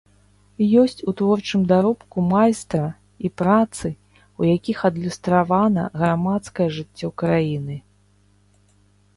Ёсць у творчым даробку майстра і працы, у якіх адлюстравана грамадскае жыццё краіны.